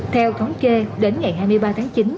theo thống kê đến ngày hai mươi ba tháng chín